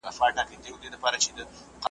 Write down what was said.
د لېوه بچی آخر د پلار په خوی سي ,